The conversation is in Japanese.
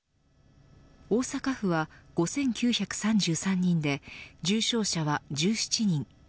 大阪府は５９３３人で重症者は１７人。